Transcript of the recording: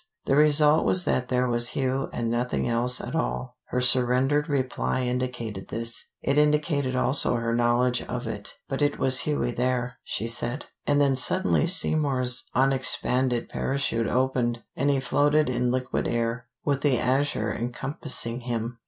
The result was that there was Hugh and nothing else at all. Her surrendered reply indicated this: it indicated also her knowledge of it. "But it was Hughie there," she said. And then suddenly Seymour's unexpanded parachute opened, and he floated in liquid air, with the azure encompassing him.